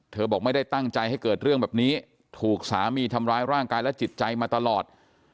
บอกไม่ได้ตั้งใจให้เกิดเรื่องแบบนี้ถูกสามีทำร้ายร่างกายและจิตใจมาตลอด